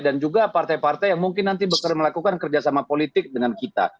dan juga partai partai yang mungkin nanti bekerja melakukan kerjasama politik dengan kita